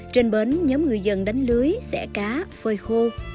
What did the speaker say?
trên bến nhóm người dân đánh lưới xẻ cá phơi khô